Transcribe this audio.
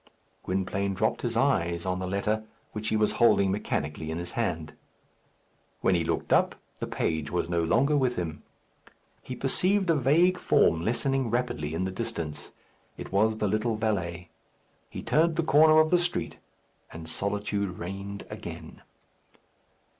Gwynplaine dropped his eyes on the letter, which he was holding mechanically in his hand. When he looked up the page was no longer with him. He perceived a vague form lessening rapidly in the distance. It was the little valet. He turned the corner of the street, and solitude reigned again.